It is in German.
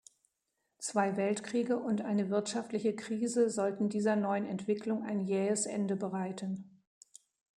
Zwei Weltkriege und eine wirtschaftliche Krise sollten dieser neuen Entwicklung ein jähes Ende bereiten.